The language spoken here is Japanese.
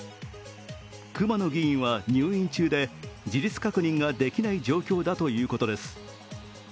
熊野議員は入院中で事実確認ができない状況だということです。